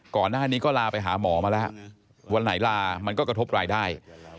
ก่อนหน้านี้ก็ลาไปหาหมอมาแล้ววันไหนลามันก็กระทบรายได้